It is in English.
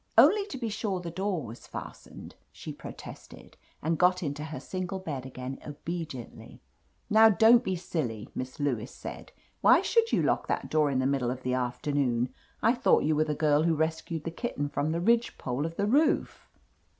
"Only to be sure the door was fastened," she protested, and got into her single bed again obediently. "Now don't be silly!" Miss Lewis said "Why should you lock that door in the middle of the afternoon? I thought you were the girl wfio rescued the kitten from the ridge pole of the roof